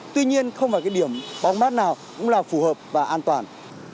tuy nhiên không phải cái điểm bóng mát nào cũng là phù hợp và an toàn